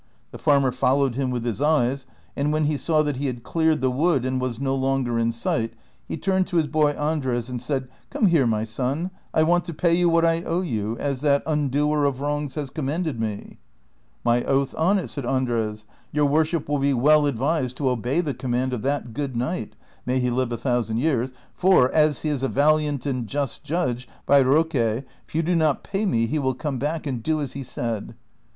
The farmer followed him with his eyes, and when he saw that he had cleared the wood and was no longer in sight, he turned to his boy Andres, and said, " Come here, my son, I want to pay you what I owe you, as that imdoer of Avrongs has commanded me." " My oath on it," said Andres, " your worship will be well advised to obey the command of that good knight — may he live a thousand years — for, as he is a valiant and just judge^ by Roque,"^ if you do not pay me, he will come back and do as he said."